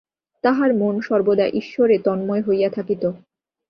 তাঁহার মন সর্বদা ঈশ্বরে তন্ময় হইয়া থাকিত।